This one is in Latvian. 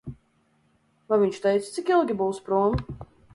Vai viņš teica, cik ilgi būs prom?